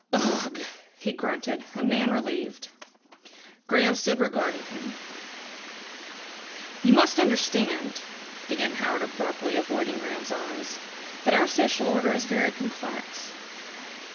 "Ugh!" he grunted, a man relieved. Graham stood regarding him. "You must understand," began Howard abruptly, avoiding Graham's eyes, "that our social order is very complex.